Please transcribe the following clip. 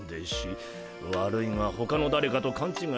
悪いがほかのだれかと勘違いしていないかね？